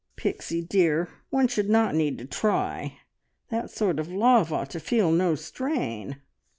"Pixie, dear, one should not need to try. That sort of love ought to feel no strain."